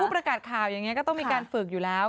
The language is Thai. พูดประกาศข่าวแบบนี้ก็ต้องมีความฝึกอยู่แล้ว